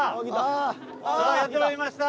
さあやってまいりました。